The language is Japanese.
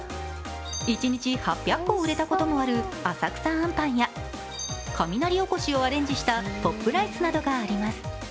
一日８００個売れたこともある浅草あんぱんや雷おこしをいアレンジしたポップライスなどがあります。